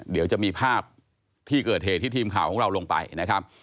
เดี๋ยวจะมีภาพที่เกิดเหตุที่ทีมข่าวของเราลงไปนะครับ